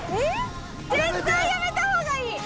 絶対やめた方がいい。